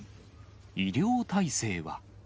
医療体制は。